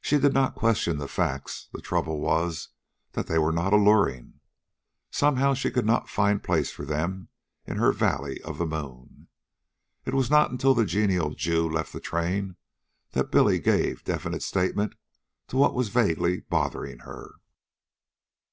She did not question the facts. The trouble was that they were not alluring. Somehow, she could not find place for them in her valley of the moon. It was not until the genial Jew left the train that Billy gave definite statement to what was vaguely bothering her.